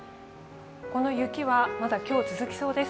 この雪はまだ今日、続きそうです。